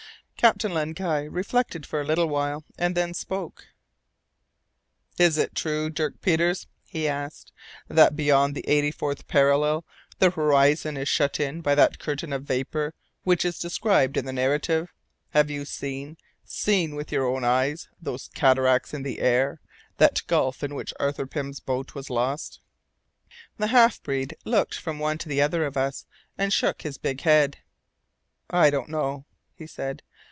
Captain Len Guy reflected for a little while, and then spoke: "Is it true, Dirk Peters," he asked, "that beyond the eighty fourth parallel the horizon is shut in by that curtain of vapour which is described in the narrative? Have you seen seen with your own eyes those cataracts in the air, that gulf in which Arthur Pym's boat was lost?" The half breed looked from one to the other of us, and shook his big head. "I don't know," he said.